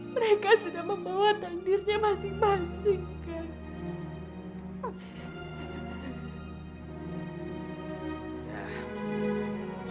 mereka sudah membawa tanggirnya masing masing kang